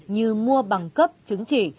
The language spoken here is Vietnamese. như mua bằng cấp chứng chỉ